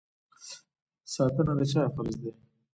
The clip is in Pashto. ساتنه د چا فرض دی؟